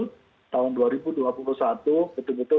tapi kita bersyukur dan kita minta dikawal betul